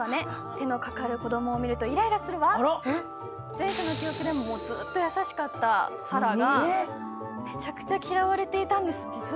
前世の記憶でもずっと優しかったサラがめちゃくちゃ嫌われていたんです、実は。